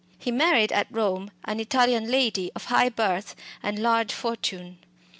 He married at Rome an Italian lady of high birth and large fortune.